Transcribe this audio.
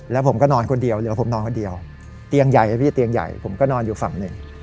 แล้วผมก็นอนคนเดียวเหลือผมนอนคนเดียวเตียงใหญ่นะพี่เตียงใหญ่ผมก็นอนอยู่ฝั่งหนึ่ง